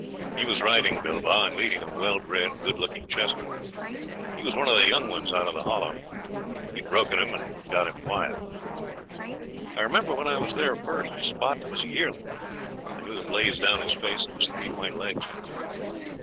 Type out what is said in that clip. He was riding Bilbah, and leading a well bred, good looking chestnut. He was one of the young ones out of the Hollow. He'd broken him and got him quiet. I remembered when I was there first spotting him as a yearling. I knew the blaze down his face and his three white legs.